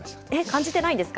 感じてないんですか。